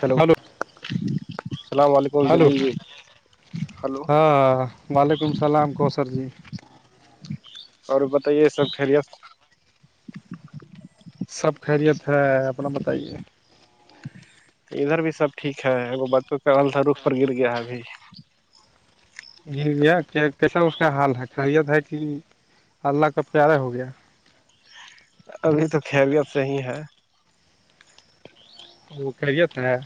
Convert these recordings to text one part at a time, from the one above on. Hello hello السلام علیکم hello Jalil ji hello ہاں وعلیکم السلام کوثر جی اور بتائیے سب خیریت سب خیریت ہے اپنا بتائیے ادھر بھی سب ٹھیک ہے وہ بوں کادا روخ پر گر گیا ہے ابھی جی بیا کیسا اس کا حال ہے خیت ہے کہ اللہ کا پیارا ہو گیا ابھی تو خیبت صحی ہے وہو کڑ جت ہیں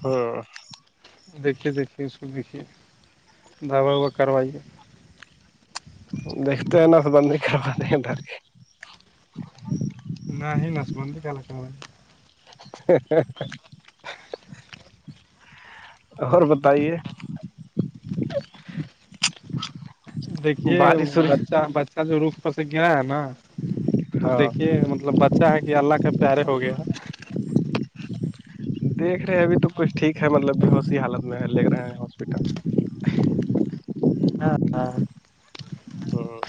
ہاں دیکھیے دیکھیے اس کو دیکھیے دوا ووا کروائیے دیکھتے ہیں نا تو بند نہیں کرواتے ادھر نہ ہی ناچ بندی کیا کہم [inaudible] اور بتائیے دیکھیے بارش وورش بچہ بچہ جو روخ پر سے گرا ہے نا وہ ہاں دیکھیے مطلب بچہ ہے کہ اللہ کے پیارے ہو گیا دیکھ رہے ہیں ابھی تو کچھ ٹھیک ہے مطلب ب ہو سی حالت میں لے رہے ہیں ہاسپٹل ہاں ہ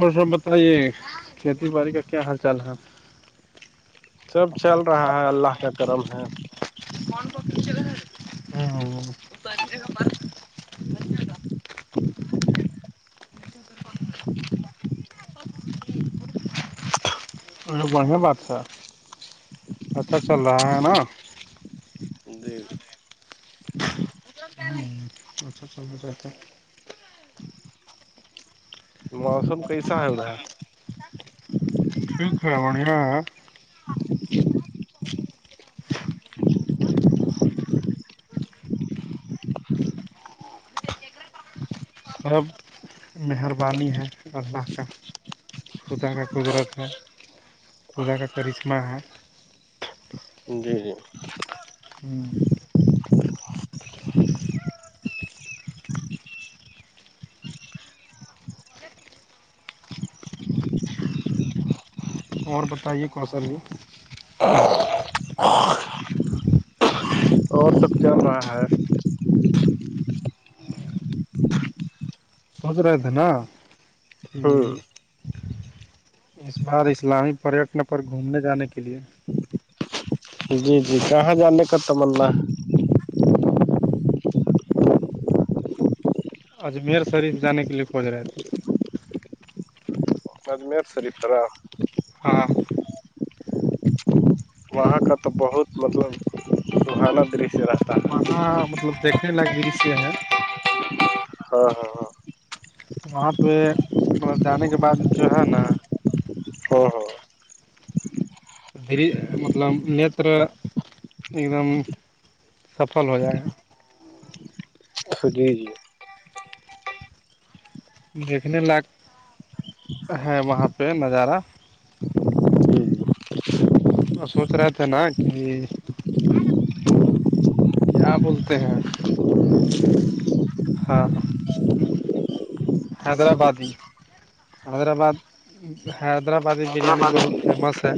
اور سب بتائیے کھیتی باڑی کا کیا حال چال ہے سب چل رہا ہے اللہ کا کرم ہے بون بکی چل ہے ا دھنیہداد بڑھیا بات تھا اھا چل رہا ہے نا جی اچھا چ ہو جتے ہے موسم کیسا ہے رہا ہے شل کرانیا جی سب مہربانی ہے النا کا خودا کا قدرت ہے خودا کا کرشما ہا جی جی ہوں اور بتائیے کون سا بھی ہاں اور سب چل رہا ہے سوچ رہے تھے نا کہ ہ اس بار اسلامی پریٹن پر گھومنے جانے کے لیے جی جی کہاں جانے کا تمنا اجمیر شریف جانے کے لیے کھوج رہے تھے اجمیر شریف طرح ہاںاںاں وہاں کا تو بہت مطلب روحانہ دش وہاں مطلب دیکھنے لائق مری سے ہے ہاں ہاں ہاں وہاں پہ م جانے کے بعد جو ہے نا ہاں ہاں دری مطلب نتر ایک دم سفل ہو جائے گا خی جی دیکھنے لائق ہے وہاں پہ نظارہ جی وہ سوچ رہے تھے نا کہ کیا بولتے ہیں ہاں حیدرآباد ہی حیدرآباد حیدرآبادی بریانی بہت فیمس ہے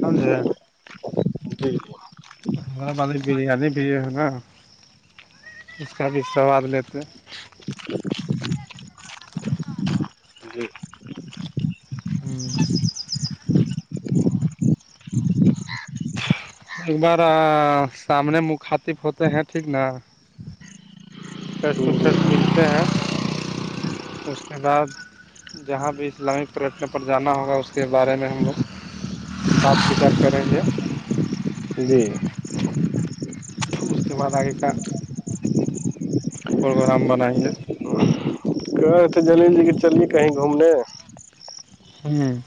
سمجھے جی ہمارے بسی بریانی بھی ہے نا اس کا بھی سواد لیتے ہیں۔ ایک بار سامنے مخاطب ہوتے ہیں ٹھیک نا فیس ٹو فیس ملتے ہیں اس کے بعد جہاں بھی اسلامک پریٹن پر جانا ہوگا اس کے بارے میں ہم لوگ سپ فکر کریں گے جی اس کے بعد آگے کا پروگرام بنائیں گے گ تو جلل جی کہ چلے کہیں گھومنے ہوں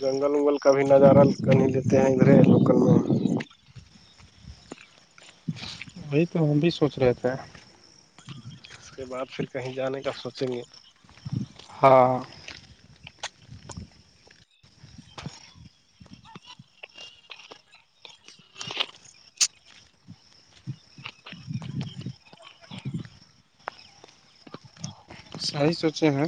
جنگل اگل کبھی نظارہ کہیں لیتے ہیں ادھرے لوکل میں وہی تو ہم بھی سوچ رہے تھے اس کے بعد پھر کہیں جانے کا سوچیں گے ہاں صحی سوچے ہیں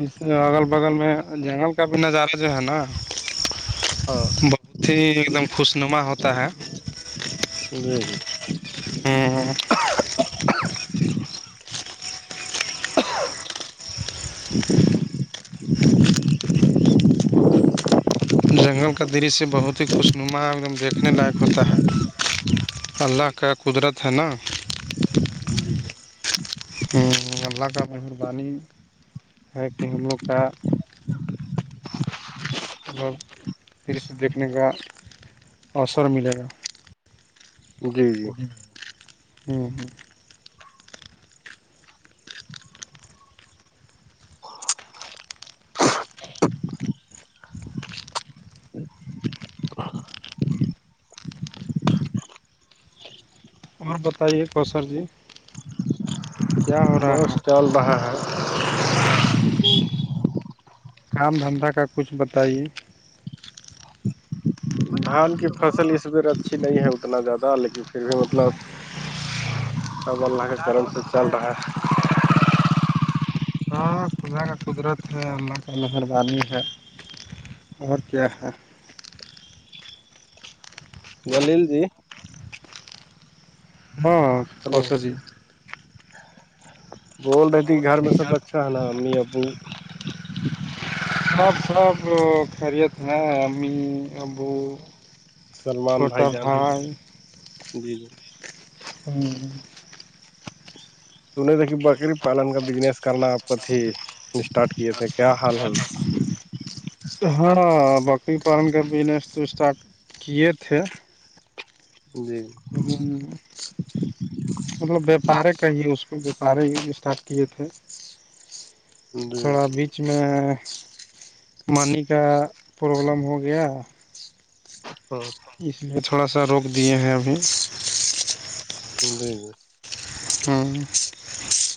اس اگل بگل میں جنگل کا بھی نظارہ جو ہے نا ہاں بہت ہی ایک دم خوش نما ہوتا ہے جی جی ہوں جنگل کا درشیہ بہت ہی خوشنما ایک دم دیکھنے لائق ہوتا ہے اللہ جی کا قدرت ہے نا جی ہ اللہگا مر بانی ہے کہ ہم لو کا مطلب دری سے دیکھنے کا اوثر ملے گا جی جی ہوں ہوں اور بتائیے کوسر جی کیا ہو رہا ہے بس چل رہا ہے کام دھندا کا کچھ بتائیے دھان کی فصل اس بیر اچھی نہیں ہے اتنا زیادہ لیکن پھر بھی مطلب کب ل کے کرم سے چل رہا ال خدا کا قدرت ہے اللہ کا مہربانی ہے اور کیا ہے گللدی ہاں ہلو کرس جی بول رہی تھی گھر میں سب اچھا ہے نا امی ابو سب سپ خرییات ہیں ہممی ابو سلمان چھوٹا جان بھائی جی جی ہوں سنے تھا کہ بکری پالن کا بزنس کرنات ہی اسٹارٹ کیے تھے کیا حال ہے اس کا ہاں بکری پالن کا بجنس تو اسٹارٹ کیے تھے جی لیکن مطلب ویپارے کایے اس کو وپار ہی اسٹارٹ کیے تھے جی تھوڑا بیچ اس میں مانی کا پرابلم ہو گیا ہاں اس نے تھوڑا سا روک دیے ہیں ابھی ج ج ہوں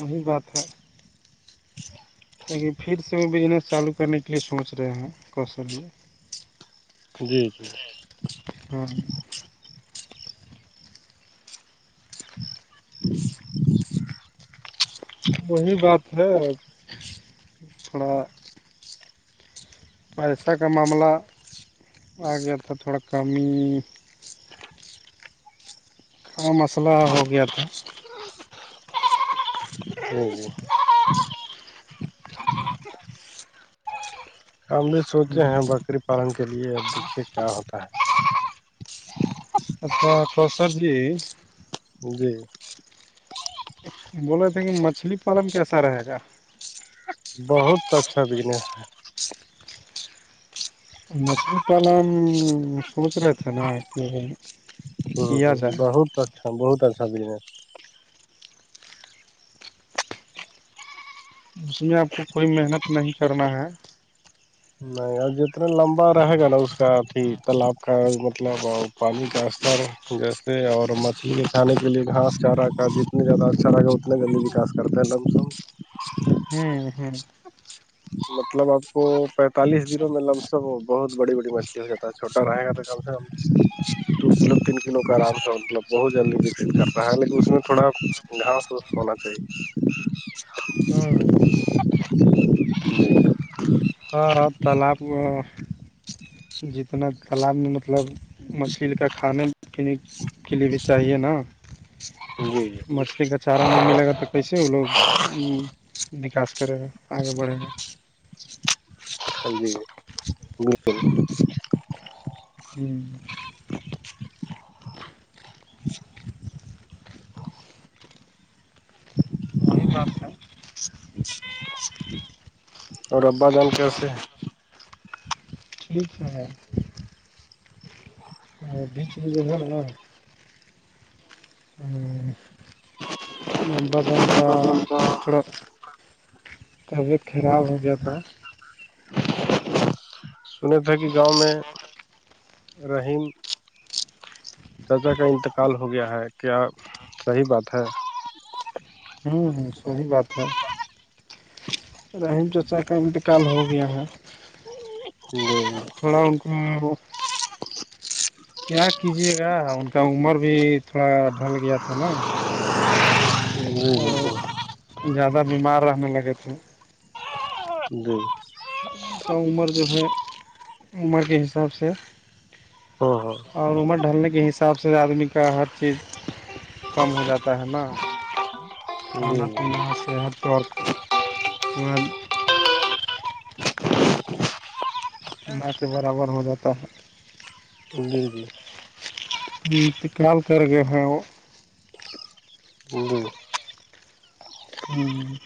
وہی بات ہے لن پھر سے وہ بجنس چالو کرنے کے لیے سوچ رہے ہیں ک س لیے جی جی ہاں [inaudible] وہی بات ہے تھوڑا پیسہ کا معاملہ آ گیا تھا تھوڑا کمی اور مسلہ ہو گیا تھا ا [inaudible] ہم بھی سوچے ہیں بکری پالن کے لیے اب دے کیا ہوتا ہے اچھا کسر جی جی بولے تھے کہ مچھلی پالن کیسا رہے گا بہت اچھا بجنس ہے مچھلی پالن سوچ رہے تھے نا کہ کیایا جائے تو اچھا بہت اچھا جنس اس میں آپ کو کوئی محنت نہیں کرنا ہے نہیں اور جتنا لمبا رہے گا نا اس کا اھی تالاب کا مطلب پانی کا استر جیسے اور مچھلی کھانے کے لیے گاس چارا کا جتنے زیادہ اچھا رہگا اتنے جلدی خاص کرتے لمسم ہوں ہوں مطلب آپ کو پینتالیس دنوں میں لم سم بہت بڑی بڑی مچھلی ہو جاتا ہے چھوٹا رہے گا تو کم سے کم دو کلو تین کلو کا آرام سے مطلب بہت جلدی وکست کرتا ہے لیکن اس میں تھوڑا گا ہونا چاہیے چاہیے ہوں ہاں اور تالاب جتنا تالاب میں مطلب مچھلی کا کھانے پینے کے لیے بھی چاہیے نا جی جی مچھلی کا چارہ نہیں ملے گا تو کیسے وہ لوگ وکاس کرے گا آگے بڑھے گا ہاں جی ج جی وہہی بار تھایں اور ابا جان کیے ٹھیک ہے بیچ میں ج ہے نا باز کا بگن کا تھوڑا کبی خھراپ ہو جاتہ سنے تھے کہ گاؤں میں رہحیم چاچا کا انتقال ہو گیا ہے کیا صحیح بات ہے صحی بات ہے رحیم چچا کا انتقال ہو گیا ہے [unintelligible] پڑا ان کو کیا کیجیے گا ان کا عمر بھی تھوڑا ڈھل گیا تھا نا جی جی اور جی زیادہ بیمار رہنے لگے تھے گئی اس کا عمر جو ہے عمر کے حساب سے ہاں ہاں اور عمر ڈھلنے کے حساب سے آدمی کا ہر چیز کم ہو جاتا ہے نا کھانا جی پینا صحتک م کے برابر ہو جاتا ہے [unintelligible] ہ تو کل کر گئے ہے وہ وہ ہوں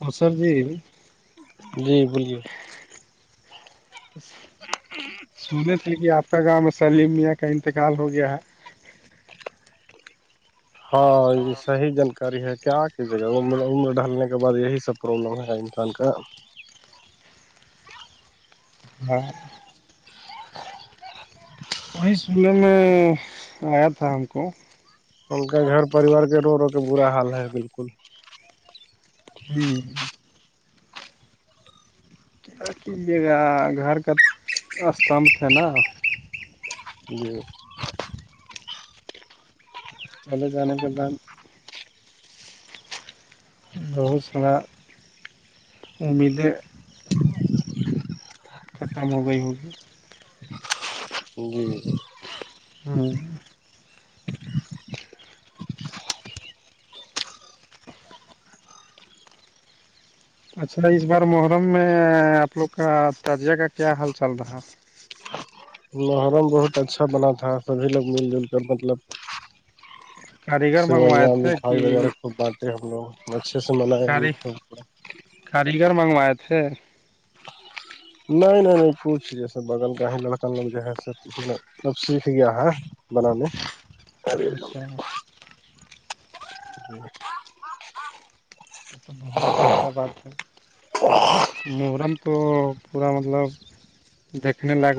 اور سر جی جی بولیے [unintelligible] سنے تھے کہ آپ کا گاؤں میں سلیم میاں کا انتقال ہو گیا ہے ہاں صحیح جانکاری ہے کیا آ کی جگہر عمر ڈھلنے کے بع یہی سب پرابلم ہےا انسان کا ہاں وہی سلح میں آیا تھا ہم کو ان کا گھر پریوار کے رو رو کے برا حال ہے بالکل ہوں یے گ گھر کا استمبھ تھ ہے نا ج چلے جانے کے بعد بہو سڑا امیدیں ختم ہو گئی ہوگئی ا ہوں اچھا اس بار محرم میں آپ لوگ کا تعجزیہ کا کیا حال چل رہا ہے محرم بہت اچھا بنا تھا سبھی لوگ مل جل کر مطلب کاریگر منگوائے سوئیاں تھے مٹھائی کہ وغیرہ خب بانٹے ہم لوگ اچھے سے منائے کاری کاریگر منگوائے تھے [inaudible] نہیں نہیں نہیں پچھ جیسے بغل کا ہی لڑکا لوگ جو ہےچب سیکھ گیا ہے بنانے اچھا [unintelligible] تو تو بہت ہی اچھا بات ہے مورم تو پورا مطلب دیکنے کے بع